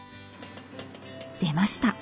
出ました！